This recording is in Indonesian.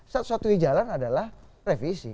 satu satunya jalan adalah revisi